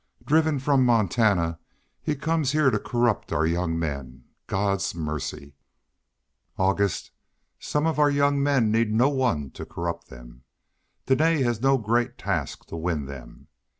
Driven from Montana he comes here to corrupt our young men. God's mercy!" "August, some of our young men need no one to corrupt them. Dene had no great task to win them.